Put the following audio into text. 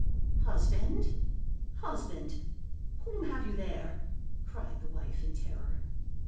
"'Husband, husband! whom have you there?' cried the wife in terror.